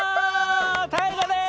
ＴＡＩＧＡです！